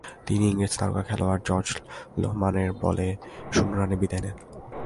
তিনি ইংরেজ তারকা খেলোয়াড় জর্জ লোহম্যানের বলে শূন্য রানে বিদায় নেন।